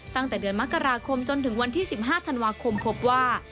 ตั้งแต่เดือนมกราคมจนถึงวันที่๑๕ธันวาคมพบว่า